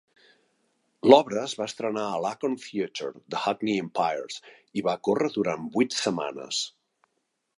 L'obra es va estrenar a l' "Acorn Theatre" de Hackney Empires i va córrer durant vuit setmanes.